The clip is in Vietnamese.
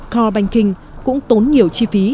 core banking cũng tốn nhiều chi phí